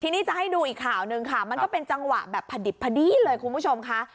ทีนี้จะให้ดูอีกข่าวหนึ่งค่ะมันก็เป็นจังหวะแบบพอดิบพอดีเลยคุณผู้ชมค่ะ